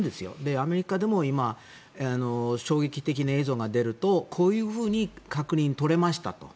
アメリカでも今、衝撃的な映像が出るとこういうふうに確認が取れましたと。